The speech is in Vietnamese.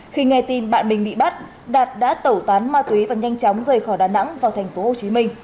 khi nghe tin bạn mình bị bắt đạt đã tẩu tán ma túy và nhanh chóng rời khỏi đà nẵng vào tp hcm